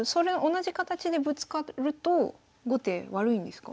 同じ形でぶつかると後手悪いんですか？